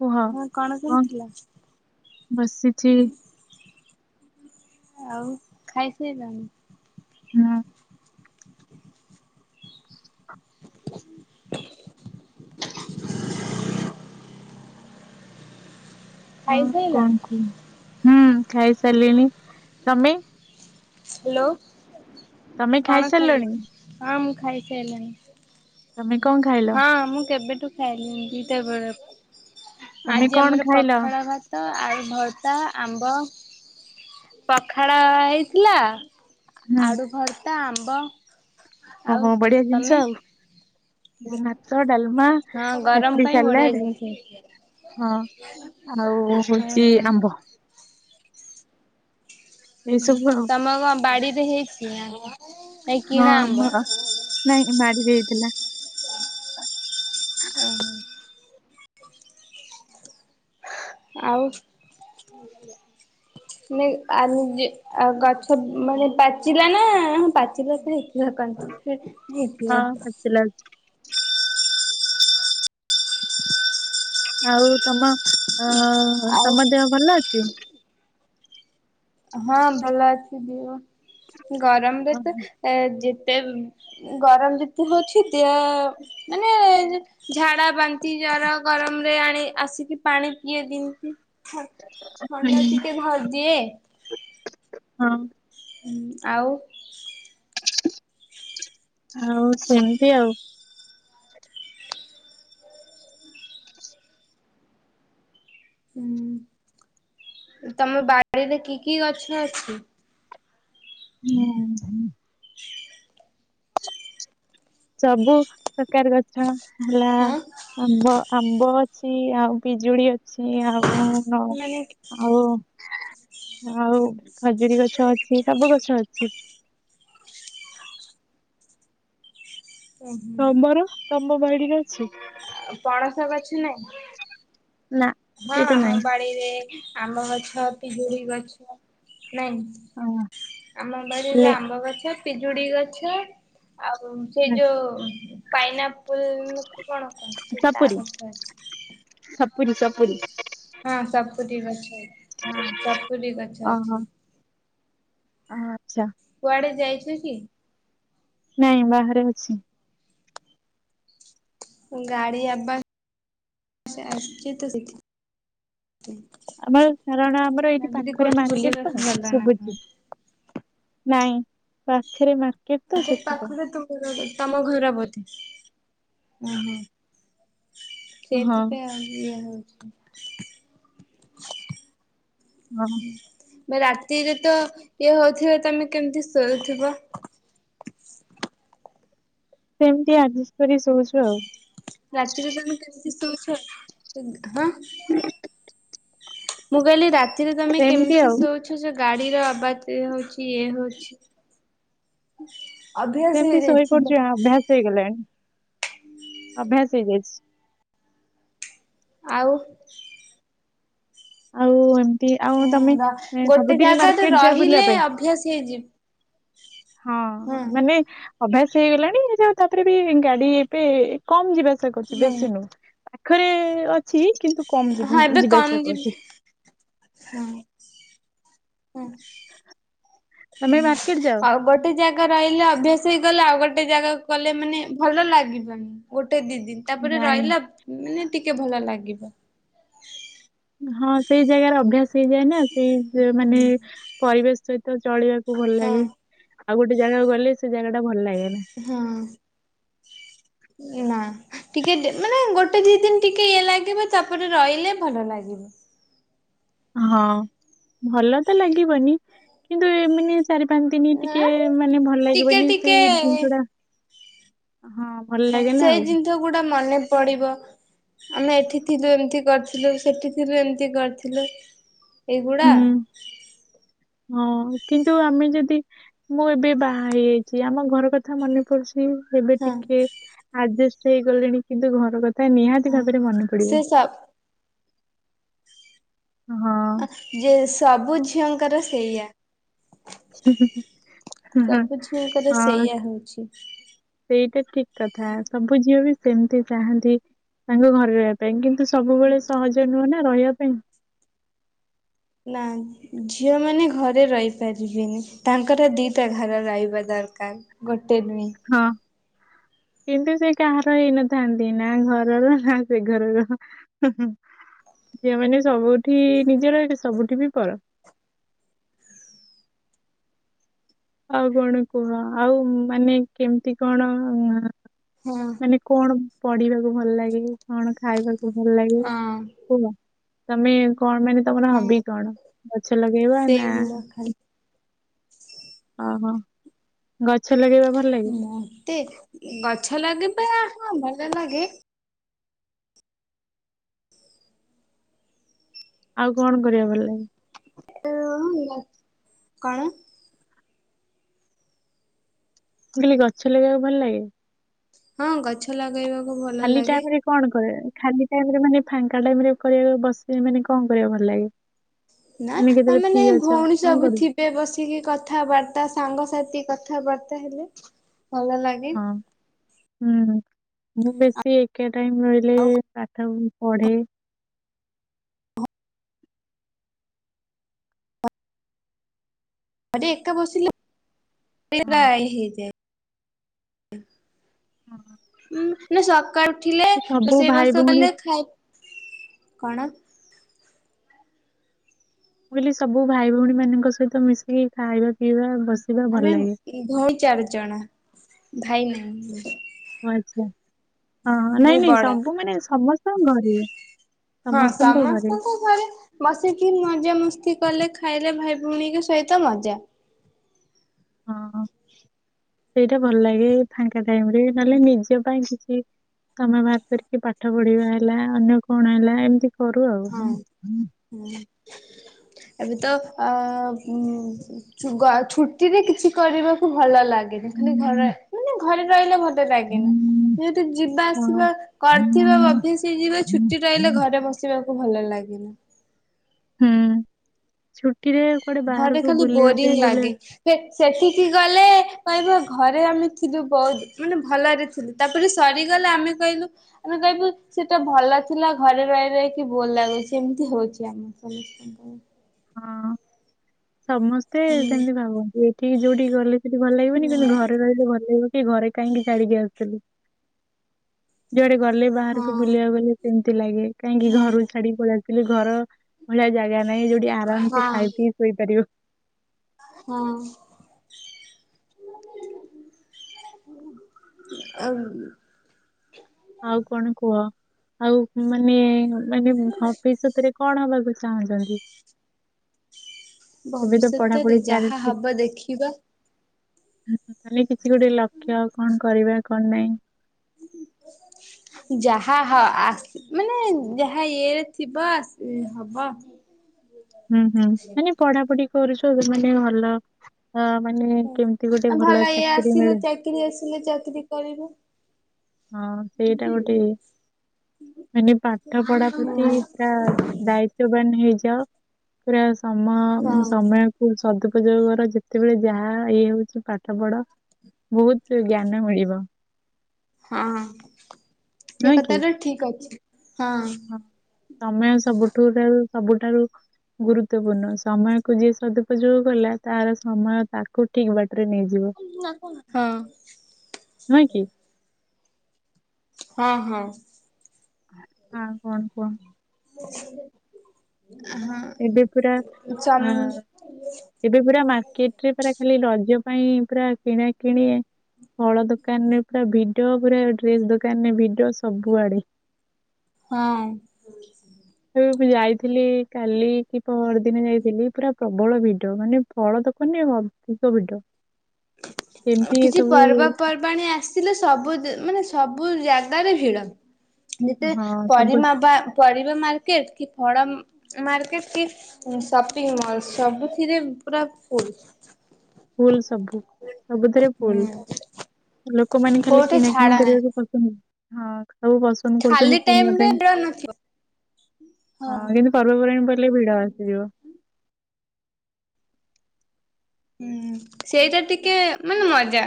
କୁହ ହଁ କଣ କରୁଥିଲ? ବସିଛି? ଆଉ ଖାଇସାଇଲଣି। ହୁଁ। ହୁଁ କଣ ଖାଇସାଇଲଣି? କୁହ ହୁଁ ଖାଇ ସାରିଲିଣି ତମେ? ହାଲୋ ତମେ କଣ ଖାଇଲ ଖାଇସାରିଲଣି ହଁ ମୁଁ ଖାଇସାଇଲିଣି। ତମେ କଣ ଖାଇଲ? ହଁ ମୁଁ କେବେଠୁ ଖାଇଲିଣି ଦି ଟା ବେଳଠୁ। ତମେ ଆଜି କଣ ଆମର ଖାଇଲ? ପଖାଳ ଭାତ ଆଳୁ ଭତ୍ତା ଆମ୍ବ। ପଖାଳ ହେଇଥିଲା ହୁଁ ଆଡ଼ୁ ଭର୍ତା ଆମ୍ବ। ଆଉ ଓହୋ ବଢିଆ ତମେ? ଜିନିଷ ଆଉ। ମାଛ ଡାଲମା ହଁ ଗରମ କାକୁଡ଼ି ପାଇଁ ବଢିଆ ସାଲାଡ ଜିନିଷ ହେଇଥିଲା। ହଁ। ଆମର ଓ ହଁ ହେଇଚି ହଁ। ଆମ୍ବ। ଏଇ ସବୁ ଆଉ ତମ କଣ ବାଡିରେ ହେଇଛି ଆମ୍ବ? ନାଇଁ ହଁ କିଣା ଆମର ନାଇଁ ବାଡିରେ ହେଇଥିଲା। ଯାଉନେହିଁ। ଆଉ? ସିଏଆରୁ ଦେ ଆଉ ଗଛ ମାନେ ପାଚିଲା ନା ହଁ ପାଚିଲା ତ ହେଇଥିବ। [inaudible] ହଁ ପାଚିଲା ଅଛି। ଆଉ ତମ ଅ ଆଉ ତମ ଦେହ ଭଲ ଅଛି? ହଁ ଭଲ ଅଛି ଯେ ଗରମରେ ତ ଓହୋ। ଏ ଯେତେ ଗରମ ଯେତେ ହୋଉଛି ଦିହ ମାନେ ଝାଡା ବାନ୍ତି ଜର ଗରମ ରେ ଆଣି ଆସିକି ପାଣି ପିଏ ବୋହୁ ତୁ। ଥ ଥଣ୍ଡା ହୁଁ, ଟିକେ ଭାରି ଥିଲା। ହଁ। ହଁ ଆଉ‌? ଆଉ ସେମିତି ଆଉ। ହୁଁ ତମ ବାଡିରେ କି କି ଗଛ ଅଛି? [unintelligible] [inaudible] ସବୁ ପ୍ରକାର ଗଛ ହେଲା। ହଁ ଆମ୍ବ ଆମ୍ବ ଅଛି ଆଉ ପିଜୁଳି ଅଛି ଆଉ ମାନେ ଆଉ। ଆଉ ଖଜୁରୀ ଗଛ ଅଛି ସବୁ ଗଛ ଅଛି। ଓ ହୋ ତମର ତମ ବାଡିରେ ଅଛି। ପଣସ ଗଛ ନାଇଁ। ନା ହଁ ସେଇଟା ଆମ ନାହିଁ। ବାଡିରେ ଆମ୍ବ ଗଛ ପିଜୁଳି ଗଛ ନାଇ। ହଁ ଆମ ଲେ ବାଡିରେ ଆମ୍ବ ଗଛ ପିଜୁଳି ଗଛ। ଆଉ ସେଇ ଯୋଉ। ପାଇନ ଆପୁଲ କୁ କଣ କହନ୍ତି ସେ ତା ଗଛ ଅଛି। ସପୁୁରୀ ସପୁରି। ହଁ ସପୁରି ଗଛ ହଁ ସପୁରି ଗଛ ଅଛି। ହ ଆଚ୍ଛା। କୁଆଡେ ଯାଇଛୁ କି? ନାଇଁ ବାହାରେ ଅଛି। ଗାଡି ଆବାଜ ଆସୁଛି ତ ସେଥିପାଇଁ। [inaudible] ଆମର କାରଣ ଆମର ଏଇଠି ଭାବିଲି ପାଖରେ କୋଉଠି ମାର୍କେଟ ବୁଲିବାକୁ ତ ଗଲ ନା କଣ? ଶୁଭୁଛି। ନାଇଁ ପାଖରେ ମାର୍ ଏତେ ପାଖରୁ ତୁ। ତମ ଘରବତୀ ଓହୋ। ହଁ। ସେଇଥିପାଇଁ ଆଉ ଏ ହଉଛି। ହଁ ରାତିରେ ତ ଇଏ ହଉଥିବ ତମେ କେମିତି ଶୋଇଥିବ। ସେମିତି ଆଡଜଷ୍ଟ କରି ଶଉଛୁ ଆଉ। ରାତିରେ ତମେ କେମିତି ସୋଉଚ। ମୁଁ କହିଲି ରାତିରେ ତମେ ସେମିତି କେମିତି ଆଉ। ଶୋଉଚ। ଗାଡିର ଅବାଜ ହଉଛି ଇଏ ହଉଛି। ଅଭ୍ୟାସ ହେଇ ଯାଇଛିିଲ। ହେଇଗଲାନି ଅଭ୍ୟାସ ହେଇଯାଇଛି। ଆଉ। ଆଉ ଏମତି ଆଉ ତମେ ଗୋଟେ ସବୁଦିନ ଜାଗାରେ ମାର୍କେଟ ଯାଅ ବୁଲିବା ରହିଲେ ପାଇଁ। ଅଭ୍ୟାସ ହେଇଯିବ। ହଁ ହୁଁ ମାନେ ଅଭ୍ୟାସ ହେଇଗଲାଣି ଯଉ ତାପରେ ବି ଗାଡି ଏବେ କମ ଯିବା। କରୁଛି ବେଶୀ ନୁହଁ ପାଖରେ ଅଛି କିନ୍ତୁ କମ ହଁ ଏବେ ଯିବା କମ ଆସିବା ଯିବି କରୁଛି। ହଁ ହୁଁ ତମେ ହ ମାର୍କେଟ ଯାଅ ଆଉ ବ। ଗୋଟେ ଜାଗା ରହିଲେ ଅଭ୍ୟାସ ହେଇଗଲେ ଆଉ ଗୋଟେ ଜାଗା ଗଲେ ମାନେ ଭଲ ଲାଗିବନି। ଗୋଟେ ଦି ଦିନ ତାପରେ ନାଇଁ ରହିଲା ମାନେ ଟିକେ ଭଲ ଲାଗିବ। ହଁ ସେଇ ଜାଗାରେ ଅଭ୍ୟାସ ହେଇଯାଏ ନା ସେଇ ମାନେ ହୁଁ ପରିବେଶ ସହିତ ଚଳିବାକୁ। ଭଲ ଲାଗେ ହଁ। ଆଉ ଗୋଟେ ଜାଗା ଗଲେ ସେ ଜାଗା ଟା ଭଲ ଲାଗେ ନି। ହଁ ନା ଟିକେ ମାନେ ଗୋଟେ ଦି ଦିନ ଟିକେ ଇଏ ଲାଗିବ ତାପରେ ରହିଲେ ଭଲ ଲାଗିବ। ହଁ ଭଲ ତ ଲାଗିବନି କିନ୍ତୁ ଏମାନେ ଚାରି ପାଞ୍ଚ ଦିନ ନା ଟିକେ ମାନେ ଭଲ ଟିକେ ଲାଗିବନି ଟିକେ ସେଇ ଜିନିଷ ଟା ହଁ। ଭଲ ହଁ ଲାଗେନା ଆଉ ସେଇ ଜିନିଷ ଗୋଟା ମନେ ପଡିବ। ଆମେ ଏଠି ଥିଲୁ ଏମିତି କରିଥିଲୁ ସେଠି ଥିଲୁ ଏମିତି କରିଥିଲୁ। ଏଇଗୁଡା ହୁଁ। ହଁ କିନ୍ତୁ ଆମେ ଯଦି ମୁଁ ଏବେ ବାହା ହେଇଯାଇଛି ଆମ ଘର କଥା ମନେ ପଡୁଛି ଏବେ ହଁ ଟିକେ ଆଡଜଷ୍ଟ ହେଇଗଲେଣି କିନ୍ତୁ ଘର କଥା ନିହାତି ହଁ ଭାବରେ ମନେ ସେ ପଡିବ। ସବ ଆ ହଁ। ଯେ ସବୁ ଝିଅଙ୍କର ସେଇଆ। ସବୁ ଝିଅଙ୍କର ହଁ ସେଇଆ ହଉଛି। ସେଇଟା ଠିକ କଥା ସବୁ ଝିଅ ବି ସେମିତି ଚାହାନ୍ତି। ତାଙ୍କ ଘରେ ରହିବା ପାଇଁ କିନ୍ତୁ ସବୁବେଳେ ସହଜ ନୁହଁ ନା ରହିବା ପାଇଁ। ନା। ଝିଅମାନେ ଘରେ ରହିପାରିବେନି ତାଙ୍କରା ଦିଇଟା ଘର ରହିବା ଦରକାର। ଗୋଟେ ନୁହେଁ। ହଁ। କିନ୍ତୁ ସେ କାହାର ହେଇନଥାନ୍ତି ନା ଘରର ନା ସେ ଘରର। ଝିଅମାନେ ସବୁଠି ନିଜର ସବୁଠି ବି ପର। ଆଉ କଣ କୁହ ଆଉ ମାନେ କେମିତି କଣ? ହଁ। ଆମେ କଣ ପଢିବାକୁ ଭଲ ଲାଗେ କଣ ଖାଇବାକୁ ଭଲ ଲାଗେ। ହଁ ହୁ ତମେ କଣ ମାନେ ତମର ହଁ ହବି କଣ ଗଛ ଲଗେଇବା ନା। ସେଗୁଡା ଖାଲି ଓହୋ ଗଛ ଲଗେଇବା ପାଇଁ ମତେ ଗଛ ଲାଗିବ ହ ଭଲ ଲାଗେ। ଆଉ କଣ କରିବା ଭଲ ଲାଗେ। ଏ [unintelligible] କଣ? ମୁଁ କହିଲି ଗଛ ଲଗେଇବାକୁ ଗଲେ। ହଁ ଗଛ ଲଗେଇବାକୁ ଭଲ ଖାଲି ଲାଗେ। ଟାଇମ ରେ କଣ କ ଖାଲି ଟାଇମ ରେ ମାନେ ଫାଙ୍କା ଟାଇମରେ କରିବାକୁ ବସ ମାନେ କଣ କରିବାକୁ ଭଲ ଲାଗେ। ଏମେ କେତେବେଳେ ଫ୍ରି ଅଛ କଣ କରିବୁ। େ ବସିକି କଥାବାର୍ତ୍ତା ସାଙ୍ଗସାଥି କଥାବାର୍ତ୍ତା ହେଲେ ଭଲ ଲାଗେ। ହଁ ହୁଁ ମୁଁ ବେଶୀ କେ ଟାଇମ ହେଲେ ଆଉ ପାଠ ପଢେ। ଏକା ବସିଲି ହଁ। ହେଇଯାଏ। ହଁ। ଉଁ ନା ସକାଳୁ ଉଠିଲେ ସବୁ ଭାଇ ରୋଷେଇବାସ ଭଉଣୀ କଲେ ମୁଁ ଖାଇ କଣ? ମୁଁ କହିଲି ସବୁ ଭାଇ ଭଉଣୀ ମାନଙ୍କ ସହିତ ମିଶିକି ଖାଇବା ପିଇବା ବସ ଆମେ ଭଉଣୀ ଚାରି ଜଣ ଭାଇ ନାଇଁ। ଆଚ୍ଛା ହଁ ନାଇଁ ନାଇଁ ବଡ ସବୁ ମାନେ ସମସ୍ତଙ୍କ ଘରେ। ହଁ ସମସ୍ତଙ୍କ ଘରେ। ଘରେ ବସିକି ମଜାମସ୍ତି କଲେ ଖାଇଲେ ଭାଇ ଭଉଣୀଙ୍କ ସହିତ ମଜା। ହଁ। ସେଇଟା ଭଲ ଲାଗେ ଫାଙ୍କା ଟାଇମ ରେ ନହେଲେ ନିଜ ପାଇଁ କିଛି ତମେ ବାହାର କରିକି ପାଠ ପଢିବା ହେଲା ଅନ୍ୟ କଣ ହେଲା ଏମିତି କରୁ ଆଉ। ହଁ ହୁଁ ଏବେ ତ ଅା ହୁ ହୁଁ। ଛୁ ଗା ଛୁଟିରେ କିଛି କରିବାକୁ ଭଲ ଲାଗେନି ଖାଲି ଘରେ ମାନେ ଘରେ ରହିଲେ ଭଲ ଲାଗେନା। ଯଦି ଯିବା ଆସିବା କରିଥିବେ ହଁ। ଅଫିସି ଯିବେ ହୁଁ ଛୁଟି ରହିଲେ ଘରେ ବସି ବାକୁ ଭଲ ଲାଗେନା। ହୁଁ ଛୁଟିରେ କୁଆଡ଼େ ଘରେ ବାହାରକୁ ଖାଲି ବୁଲିବା ବୋରିଂ ପାଇଁ ଗଲେ ଲାଗେ। ସେ ସେଠିକି ଗଲେ କହିବ ଘରେ ଆମେ ଥିଲୁ ବହୁତ ମାନେ ଭଲରେ ଥିଲୁ। ତାପରେ ସରିଗଲା ଆମେ କହିଲୁ ଆମେ କହିବୁ ସେଟା ଭଲ ଥିଲା ଘରେ ରହି ରହିକି ବୋର ଲାଗୁଛି ଏମିତି ହୋଉଚି ଆମର। ସମସ୍ତଙ୍କ ହଁ। ସମସ୍ତେ ହୁଁ ସେମିତି ଭାବନ୍ତି ଏଠିକି ଯୋଉଠିକି ଗଲେ ସେଠି ଭଲ ଲାଗିବନି କିନ୍ତୁ ଘରେ ରହିଲେ ଭଲ ଲାଗିବ। କି ଘରେ କାହିଁକି ଛାଡ଼ିକି ଆସୁଥିଲି ଯୁଆଡ଼େ ଗଲେ ହଁ ବାହାରକୁ ବୁଲିଆ ଗଲେ ଏମତି ଲାଗେ କାହିଁକି ଘରୁ ଛାଡ଼ି ପଳେଇଆଥିଲି ଘର ଭଳିଆ ଜାଗା ନାହିଁ ଯୋଉଠି ଆରାମସେ ହଁ ଖାଇ ପିଇ ଶୋଇପାରିବ। ହଁ। ଆଉ ଆଉ କଣ କୁହ। ଆଉ ମାନେ ମାନେ ଭବିଷ୍ୟତରେ କଣ ହବାକୁ ଚାହୁଁଛନ୍ତି? [inaudible] ଏବେ ତ ପଢାପଢି ଭବିଷ୍ୟତରେ ଯାହା ଚାଲିଛି ହବ ଦେଖିବା। ତାଲେ କିଛି ଗୋଟେ ଲକ୍ଷ୍ୟ କଣ କରିବା କଣ ନାଇଁ? [inaudible] ଯାହା ହ ଆ ମାନେ ଯାହା ଇଏରେ ଥିବ ଆସ୍ ହବ। ହୁଁ ହୁଁ ମାନେ ପଢ଼ାପଢ଼ି କରୁଚ ମାନେ ଭଲ। ହଁ ମାନେ କେମିତି ଗୋଟେ ଭଲ ଚାକିରି ମିଳୁ। କିରି ଆସିଲେ ଚାକିରି କରିବୁ। ହଁ ସେଇଟା ଗୋଟେ ଇଏ ମାନେ ପାଠ ପଢ଼ା ପ୍ରତି ହୁଁ ରା ଦାୟିତ୍ୱବାନ ହେଇଯାଅ ପୁରା ସମ ହଁ ସମୟ କୁ ସଦୁପଯୋଗ କର ଯେତେବେଳେ ଯାହା ଇଏ ହୋଉଚି ପାଠ ପଢ଼। ବୋହୁତ ଜ୍ଞାନ ମିଳିବ। ହଁ ସେ ନୁହେଁ କି? କଥା ତ ଠିକ ଅଛି ହଁ। ସମୟ ସବୁଠୁ ଠାରୁ ସବୁଠାରୁ ଗୁରୁତ୍ୱପୂର୍ଣ୍ଣ ସମୟକୁ ଯିଏ ସଦୁପଯୋଗ କଲା ତାର ସମୟ ତାକୁ ଠିକ ବାଟରେ ନେଇ [inaudible] ହଁ। ନାଁ କି? ହଁ ହଁ। ଆଉ କଣ କୁହ। ହଁ। ଏବେ ପୁରା ଚମ୍ ଆଁ ଏବେ ପୁରା ମାର୍କେଟରେ ପରା ଖାଲି ରଜ ପାଇଁ ପୁରା କିଣା କିଣି ଫଳ ଦୋକାନରେ ପୁରା ଭିଡ଼ ପୁରା ଡ୍ରେସ ଦୋକାନରେ ଭିଡ଼ ସବୁଆଡ଼େ ହଁ ଏବେ ମୁଁ ଯାଇଥିଲି କାଲି କି ପହର ଦିନ ଯାଇଥିଲି ପୁରା ପ୍ରବଳ ଭିଡ଼ ମାନେ ଫଳ ଦୋକାନେ ଅଧିକ ଭିଡ଼। ଅ କିଛି ପର୍ବପର୍ବାଣି ଆସ୍ ଥିଲେ ସବୁ ମାନେ ସବୁ ଜାଗାରେ ଭିଡ ଯେତେ ହଁ ସବୁ ପରରିମା ବା ପରିବା ମାର୍କେଟ୍ କି ଫଡ଼ ମ ମାର୍କେଟ କି ସପିଂ ମଲ ସବୁଥିରେ ପୁରା ଫୁଲ। ଫୁଲ ସବୁ ସବୁଥିରେ ଫୁଲ ହୁଁ ଲୋକମାନେ ଖାଲି କୋଉଠି ଛାଡ କିଣାକିଣି ନାହିଁ କରିବାକୁ ହଁ। ସବୁ ପସନ୍ଦ ଖାଲି କରୁଛନ୍ତି କିଣିବା ପାଇଁ ଟାଇମରେ ହଁ ଭିଡ ନଥିବ। ହଁ କିନ୍ତୁ ପର୍ବପରବାଣି ପଇଲେ ଭିଡ ଆସିଯିବ। ହୁଁ ସେଇଟା ଟିକେ ମାନେ ମଜା।